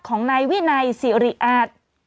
ของนายวินัยสิริอาจ